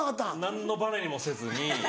何のバネにもせずに。